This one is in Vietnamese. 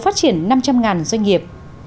phát triển năm trăm linh doanh nghiệp